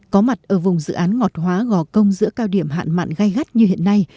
có mặt ở vùng dự án ngọt hóa gò công giữa cao điểm hạn mạn gai gắt như hiện nay